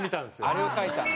あれを描いたんだ。